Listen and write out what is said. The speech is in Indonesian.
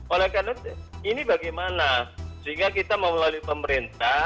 oleh karena ini bagaimana sehingga kita mau melalui pemerintah